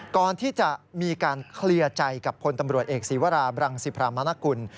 ก่อนที่จะมีการเคลียร์ใจกับพลตำรวจเอกศีวราบรังสิพรามนกุล